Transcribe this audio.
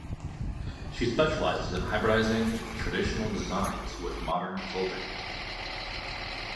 She specialises in hybridising traditional designs with modern clothing.